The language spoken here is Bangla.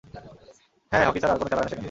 হ্যাঁ, হকি ছাড়া আর কোন খেলা হয় না সেখানে।